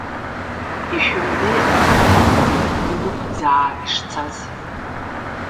Ишәымбеи, аҵыхәтәангьы инықәӡаа ишцаз!